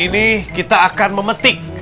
ini kita akan memetik